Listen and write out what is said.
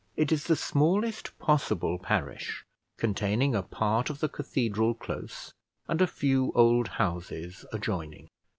It is the smallest possible parish, containing a part of the Cathedral Close and a few old houses adjoining.